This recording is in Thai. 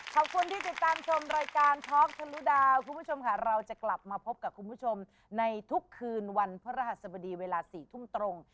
ขอบคุณที่ติดตามชมรายการท็อกทะลุดาวคุณผู้ชมค่ะเราจะกลับมาพบกับคุณผู้ชมในทุกคืนวันพระรหัสบดีเวลา๔ทุ่มตรง